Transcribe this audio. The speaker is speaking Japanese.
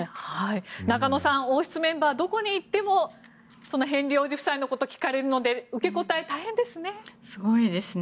中野さん王室メンバーはどこに行ってもヘンリー王子夫妻のことを聞かれるので受け答えは大変ですね。